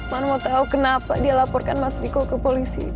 mana mau tahu kenapa dia laporkan mas riko ke polisi